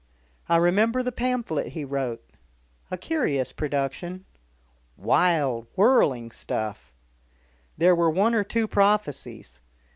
I remember the pamphlet he wrote a curious production. Wild, whirling stuff. There were one or two prophecies.